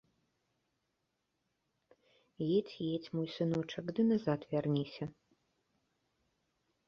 Едзь, едзь, мой сыночак, ды назад вярніся.